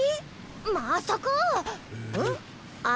まさかあ！